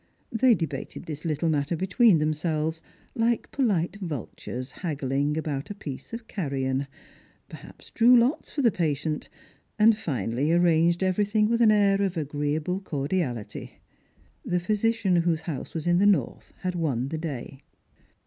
They debated this little matter between themselves, hke pohte vultures haggling about a piece of carrion, perhaps drew lots for the patient, and finally arranged every* thing with an air of agreeable cordiality. The physician whose house was in the north had won the day.